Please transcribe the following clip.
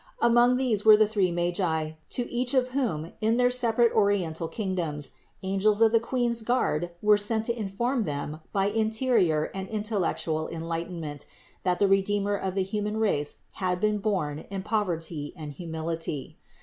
Among these were the three Magi, to each of whom in their separate Oriental kingdoms angels of the Queen's guard were sent to inform them by interior and intellect ual enlightenment that the Redeemer of the human race had been born in poverty and humility.